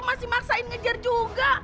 masih maksain ngejar juga